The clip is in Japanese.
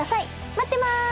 待ってます。